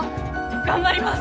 頑張ります！